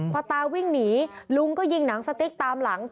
พอตาวิ่งหนีลุงก็ยิงหนังสติ๊กตามหลัง